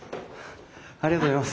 ありがとうございます。